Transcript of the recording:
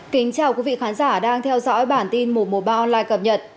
kính chào quý vị khán giả đang theo dõi bản tin một trăm một mươi ba online cập nhật